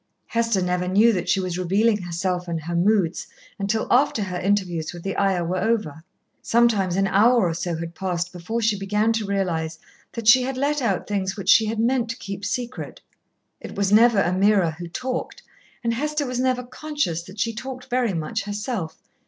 Hester never knew that she was revealing herself and her moods until after her interviews with the Ayah were over. Sometimes an hour or so had passed before she began to realise that she had let out things which she had meant to keep secret. It was never Ameerah who talked, and Hester was never conscious that she talked very much herself.